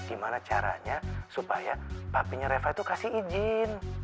gimana caranya supaya papinya reva tuh kasih izin